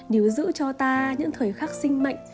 nếu giữ cho ta những thời khắc sinh mạnh